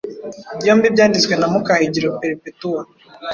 Byombi byanditswe na Mukahigiro Perepetuwa